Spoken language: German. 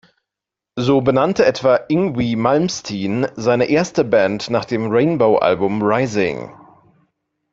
So benannte etwa Yngwie Malmsteen seine erste Band nach dem Rainbow-Album "Rising".